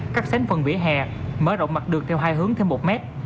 cắt sánh phần vỉa hè mở rộng mặt được theo hai hướng thêm một mét